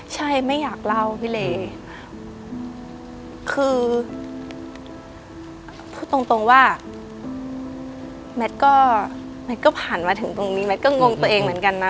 ใช่ไม่อยากเล่าพี่เลคือพูดตรงตรงว่าแมทก็แมทก็ผ่านมาถึงตรงนี้แมทก็งงตัวเองเหมือนกันนะ